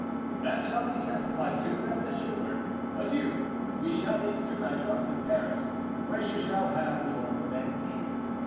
"That shall be testified to, rest assured. Adieu! we shall meet soon, I trust, in Paris, where you shall have your revenge."